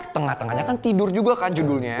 tengah tengahnya kan tidur juga kan judulnya